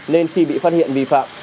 nên khi bị phát hiện vi phạm